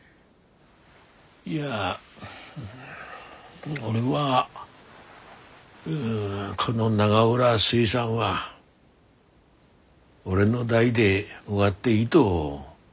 いや俺はこの永浦水産は俺の代で終わっていいど思ってんだよ。